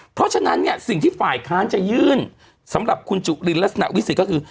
เพราะฉะนั้นเนี่ยสิ่งที่ฝ่ายค้านจะยื่นสำหรับคุณจุลินลักษณะวิสิทธิ์ก็คือ